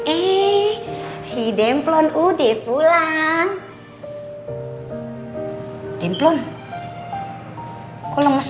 al penuh ga tau